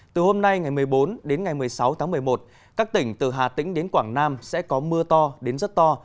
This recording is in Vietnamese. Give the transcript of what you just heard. từ hôm nay ngày một mươi bốn đến ngày một mươi sáu tháng một mươi một các tỉnh từ hà tĩnh đến quảng nam sẽ có mưa to đến rất to